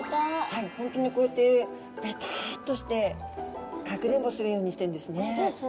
はいホントにこうやってベタッとしてかくれんぼするようにしてんですね。